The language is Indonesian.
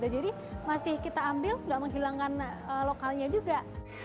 jadi masih kita ambil tidak menghilangkan lokalnya juga